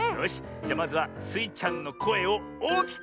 じゃこんどはスイちゃんのこえをちいさく。